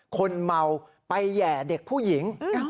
คนเมาไปแห่เด็กผู้หญิง